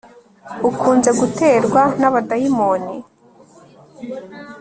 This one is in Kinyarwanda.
ukunze guterwa n'abadayimoni